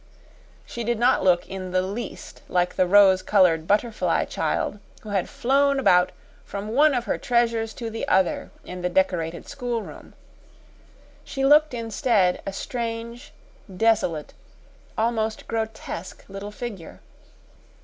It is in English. She did not look in the least like the rose colored butterfly child who had flown about from one of her treasures to the other in the decorated schoolroom. She looked instead a strange, desolate, almost grotesque little figure.